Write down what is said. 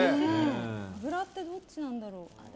脂ってどっちなんだろう。